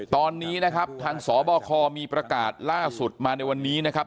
ตอนนี้นะครับทางสบคมีประกาศล่าสุดมาในวันนี้นะครับ